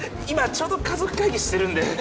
今ちょうど家族会議してるんで。